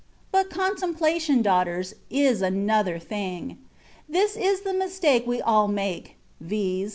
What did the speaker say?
But, contemplation, daughters, is another thing. This is the mistake we all make, viz.